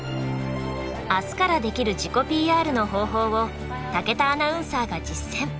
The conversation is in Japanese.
あすからできる自己ＰＲの方法を武田アナウンサーが実践。